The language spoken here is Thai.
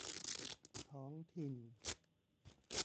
ท้องถิ่น